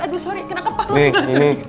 aduh sorry kena kepala